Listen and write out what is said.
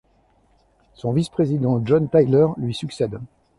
Son vice-président, John Tyler, lui succède.